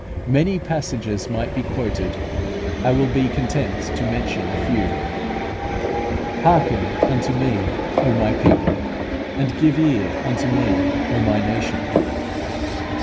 Many passages might be quoted. I will be content to mention a few: "Hearken unto me, O my people; and give ear unto me, O my nation" (Isa.